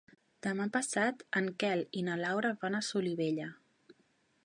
Demà passat en Quel i na Laura van a Solivella.